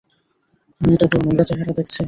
মেয়েটা তোর নোংরা চেহারা দেখছে?